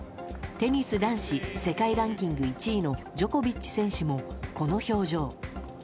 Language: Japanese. テニス男子世界ランキング１位のジョコビッチ選手も、この表情。